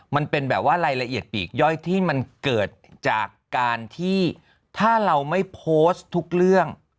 มันเป็นแบบว่ารายละเอียดปีกย่อยที่มันเกิดจากการที่ถ้าเราไม่โพสต์ทุกเรื่อง